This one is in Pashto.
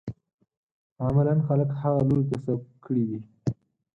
عملاً خلک هغه لوري ته سوق کړي دي.